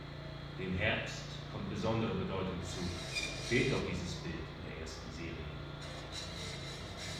Dem "Herbst" kommt besondere Bedeutung zu, fehlt doch dieses Bild in der ersten Serie.